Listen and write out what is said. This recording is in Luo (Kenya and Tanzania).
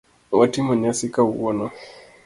Watimo nyasi kawuono.